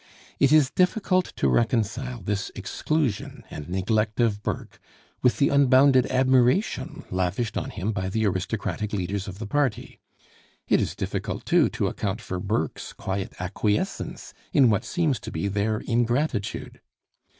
It is difficult to reconcile this exclusion and neglect of Burke with the unbounded admiration lavished on him by the aristocratic leaders of the party. It is difficult too to account for Burke's quiet acquiescence in what seems to be their ingratitude.